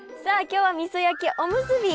今日はみそ焼きおむすび。